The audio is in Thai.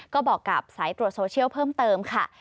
ก็บอกกับสายตรวจโซเชียลเพิ่มเติมค่ะ